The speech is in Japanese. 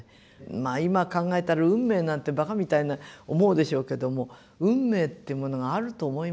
まあ今考えたら運命なんてバカみたいに思うでしょうけども運命ってものがあると思いましたね